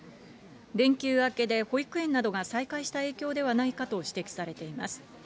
連休明けで保育園などが再開した影響ではないかと指摘されています。